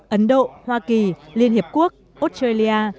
ấn độ hoa kỳ liên hiệp quốc australia